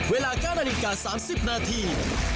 เวลา๙นาฬิกา๓๐นาที